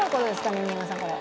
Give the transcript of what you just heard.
新山さんこれ。